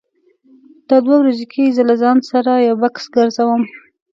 دا دوه ورځې کېږي زه له ځان سره یو بکس ګرځوم.